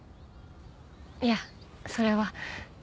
いやそれは。